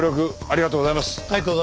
ありがとうございます。